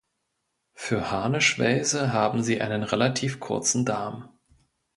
Für Harnischwelse haben sie einen relativ kurzen Darm.